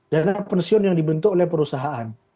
dana pensiun yang dibentuk oleh perusahaan